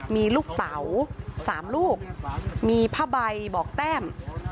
มีลูกเต๋า๓ลูกมีผ้าใบบอกแต้ม